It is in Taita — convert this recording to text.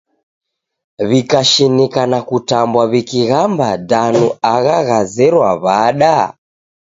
W'ikashinika na kutambwa wikighamba danu agha ghazerwaa w'ada?